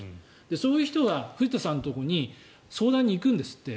そういう人は藤田さんのところに相談に行くんですって。